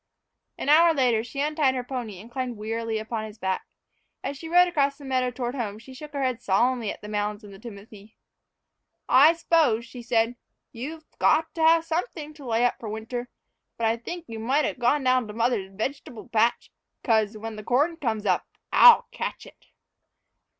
An hour later, she untied her pony and climbed wearily upon his back. As she rode across the meadow toward home, she shook her head solemnly at the mounds in the timothy. "I s'pose," she said, "you've got to have something to lay up for winter; but I think you might 'a' gone down to mother's veg'table patch, 'cause, when the corn comes up, I'll catch it!"